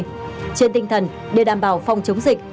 hai nghìn hai mươi hai trên tinh thần để đảm bảo phòng chống dịch